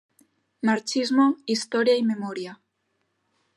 Marxismo, historia y memoria.